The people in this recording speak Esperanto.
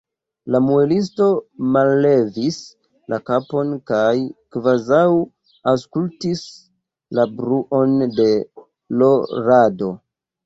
La muelisto mallevis la kapon kaj kvazaŭ aŭskultis la bruon de l' rado.